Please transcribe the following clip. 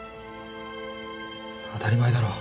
当たり前だろ。